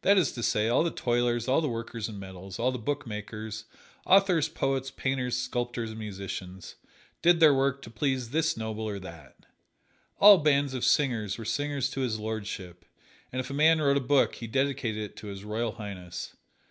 That is to say, all the toilers, all the workers in metals, all the bookmakers, authors, poets, painters, sculptors and musicians, did their work to please this noble or that. All bands of singers were singers to His Lordship, and if a man wrote a book he dedicated it to His Royal Highness.